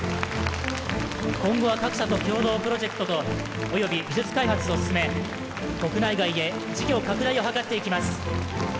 ・今後は各社と共同プロジェクトとおよび技術開発を進め国内外へ事業拡大をはかっていきます